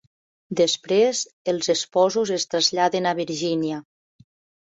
Després, els esposos es traslladen a Virgínia.